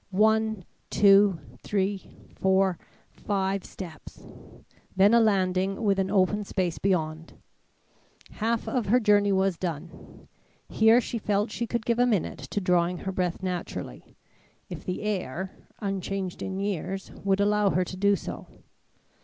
One, two, three, four, five steps! Then a landing with an open space beyond. Half of her journey was done. Here she felt she could give a minute to drawing her breath naturally, if the air, unchanged in years, would allow her to do so.